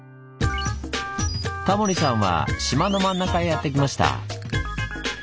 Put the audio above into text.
タモリさんは島の真ん中へやって来ました。